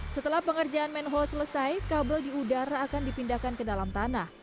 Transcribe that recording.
setelah pengerjaan manhole selesai kabel di udara akan dipindahkan ke dalam tanah